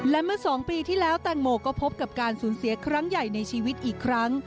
และเมื่อ๒ปีที่แล้วแตงโมก็พบกับการสูญเสียครั้งใหญ่ในชีวิตอีกครั้ง